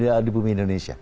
ada di bumi indonesia